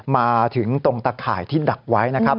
มาถึงตรงตะข่ายที่ดักไว้นะครับ